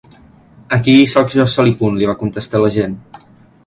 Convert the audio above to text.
Aquí hi sóc jo sol i punt, li va contestar l’agent.